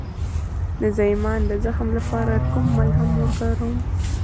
د زایمان د زخم لپاره کوم ملهم وکاروم؟